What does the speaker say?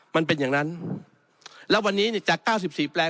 มันเป็นอย่างนั้นแล้ววันนี้จาก๙๔แปลง